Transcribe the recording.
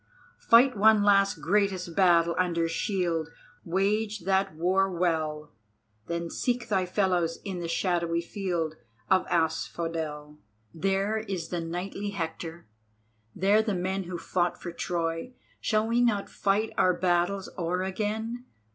Fight one last greatest battle under shield, Wage that war well: Then seek thy fellows in the shadowy field Of asphodel, There is the knightly Hector; there the men Who fought for Troy; Shall we not fight our battles o'er again?